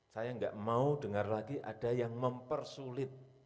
saya nggak mau dengar lagi ada yang mempersulit